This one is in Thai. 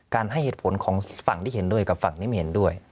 ให้เหตุผลของฝั่งที่เห็นด้วยกับฝั่งนี้ไม่เห็นด้วย